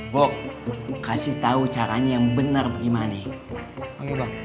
bok kasih tau caranya yang benar bagaimana